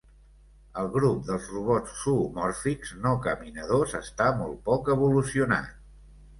El grup dels robots zoomòrfics no caminadors està molt poc evolucionat.